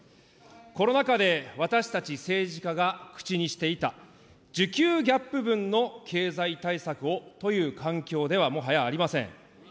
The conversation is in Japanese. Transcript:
コロナ禍で私たち政治家が口にしていた需給ギャップ分の経済対策をという環境では、もはやありません。